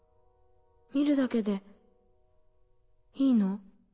見るだけでいいの？